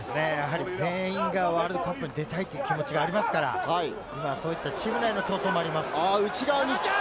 全員がワールドカップに出たいという気持ちがありますから、チーム内の競争もあります。